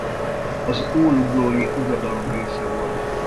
Az ólublói uradalom része volt.